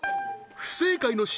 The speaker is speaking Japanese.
不正解のＣ